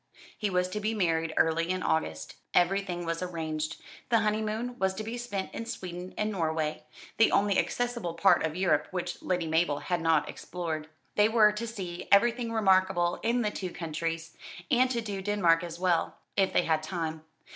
He was to be married early in August. Everything was arranged. The honeymoon was to be spent in Sweden and Norway the only accessible part of Europe which Lady Mabel had not explored. They were to see everything remarkable in the two countries, and to do Denmark as well, if they had time.